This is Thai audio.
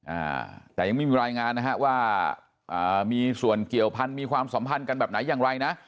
อ่าแต่ยังไม่มีรายงานนะฮะว่าอ่ามีส่วนเกี่ยวพันธ์มีความสัมพันธ์กันแบบไหนอย่างไรนะ